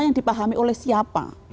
yang dipahami oleh siapa